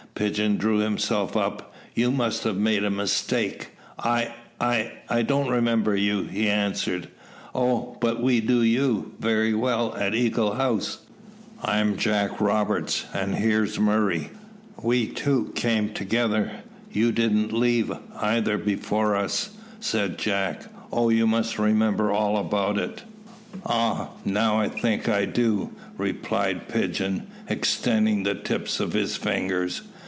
Pigeon drew himself up. "You must have made a mistake; I I don't remember you," he answered. "Oh! but we do you, very well, at Eagle House. I'm Jack Rogers, here's Murray. We two came together. You didn't leave, either, before us," said Jack. "Oh! you must remember all about it." "Ah! now I think I do," replied Pigeon, extending the tips of his fingers.